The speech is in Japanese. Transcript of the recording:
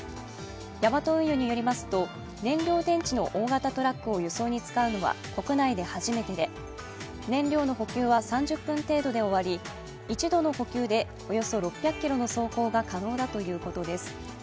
ヤマト運輸によりますと、燃料電池の大型トラックを輸送に使うのは国内で初めてで燃料の補給は３０分程度で終わり一度の補給で、およそ６００ｋｍの走行が可能だということです。